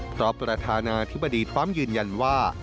เพราะประธานาธิบดีทรัมป์ยืนยันว่า